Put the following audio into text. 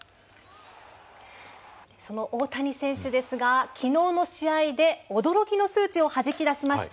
その大谷選手ですが昨日の試合で驚きの数値をはじき出しました。